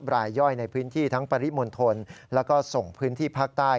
รายย่อยในพื้นที่ทั้งปริมณฑลแล้วก็ส่งพื้นที่ภาคใต้